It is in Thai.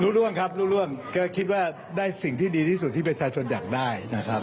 ร่วมครับรู้ร่วมก็คิดว่าได้สิ่งที่ดีที่สุดที่ประชาชนอยากได้นะครับ